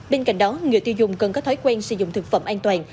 bên cạnh đó người tiêu dùng cần có thói quen sử dụng thực phẩm an toàn